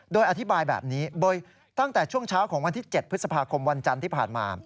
โดยอธิบายแบบนี้โดยตั้งแต่ช่วงเช้าของวันที่๗พฤษภาคมวันจันทร์ที่ผ่านมา